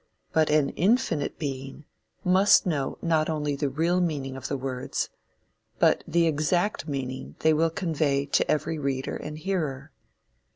But an infinite being must know not only the real meaning of the words, but the exact meaning they will convey to every reader and hearer.